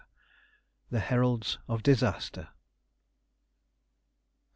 THE HERALDS OF DISASTER.